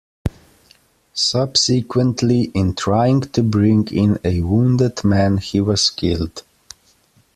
Subsequently, in trying to bring in a wounded man, he was killed.